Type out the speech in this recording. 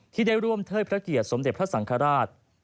ที่ได้ร่วมเทิดพระเกียรติสมเด็จพระสังฆราช